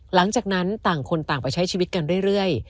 หลังจากนั้นต่างคนต่างไปใช้ชีวิตกันเรื่อย